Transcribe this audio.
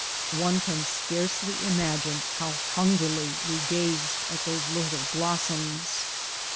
One can scarcely imagine how hungrily we gazed at those little blossoms.